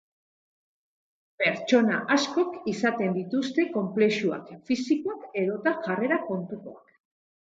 Pertsona askok izaten dituzte konplexuak, fisikoak edota jarrera kontukoak.